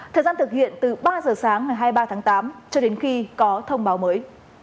thời gian thực hiện từ ba giờ sáng ngày hai mươi ba tháng tám cho đến khi có thông báo mới